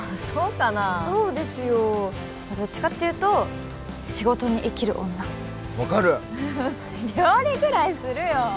そうですよまあどっちかっていうと仕事に生きる女分かる料理くらいするよ